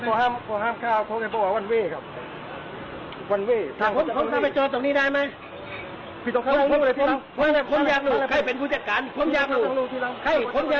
เดี๋ยวให้มาเจอพี่ฐรเภคโรงแรมนะ